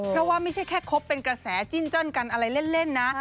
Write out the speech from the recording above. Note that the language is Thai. เพราะว่าไม่ใช่แค่คบเป็นกระแสจิ้นเจิ้นกันอะไรเล่นนะ